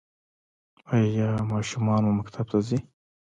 ایا ماشومان مو مکتب ته ځي؟